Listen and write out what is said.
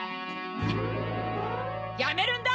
やめるんだ！